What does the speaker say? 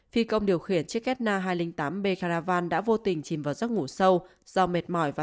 phi công điều khiển chiếc ketna hai trăm linh tám b caravan đã vô tình chìm vào giấc ngủ sâu do mệt mỏi và